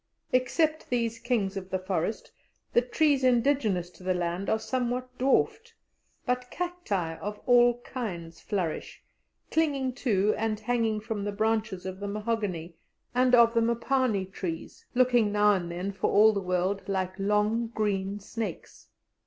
Except these kings of the forest, the trees indigenous to the land are somewhat dwarfed, but cacti of all kinds flourish, clinging to and hanging from the branches of the mahogany and of the "m'pani" trees, looking now and then for all the world like long green snakes.